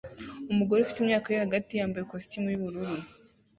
Umugore ufite imyaka yo hagati yambaye ikositimu yubururu